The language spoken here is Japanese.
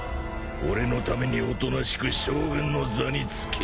俺のためにおとなしく将軍の座に就け。